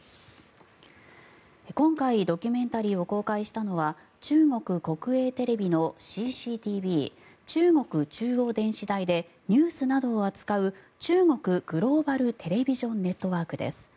今回ドキュメンタリーを公開したのは中国国営テレビのＣＣＴＶ・中国中央電視台でニュースなどを扱う中国グローバル・テレビジョン・ネットワークです。